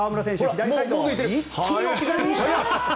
左サイド一気に置き去りにして。